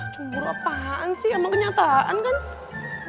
umur apaan sih emang kenyataan kan